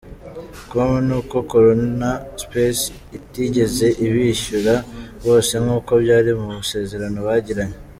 com ni uko Corona Space itigeze ibishyura bose nkuko byari mu masezerano bagiranye.